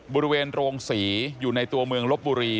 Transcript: บริเวณโรงศรีอยู่ในตัวเมืองลบบุรี